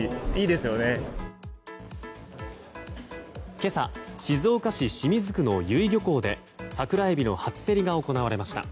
今朝静岡市清水区の由比漁港でサクラエビの初競りが行われました。